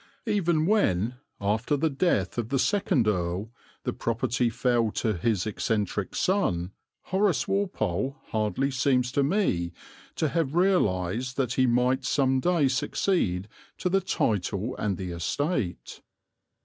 Even when, after the death of the second earl, the property fell to his eccentric son, Horace Walpole hardly seems to me to have realized that he might some day succeed to the title and the estate.